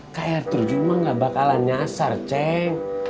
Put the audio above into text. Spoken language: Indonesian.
ke air terjun mah gak bakalan nyasar ceng